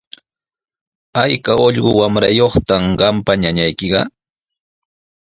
¿Ayka ullqu wamrayuqtaq qampa ñañaykiqa?